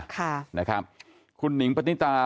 ค่ะนะครับคุณหนิงปณิตา